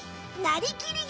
「なりきり！